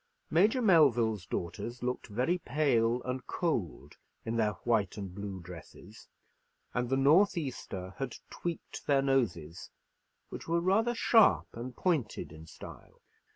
Major Melville's daughters looked very pale and cold in their white and blue dresses, and the north easter had tweaked their noses, which were rather sharp and pointed in style.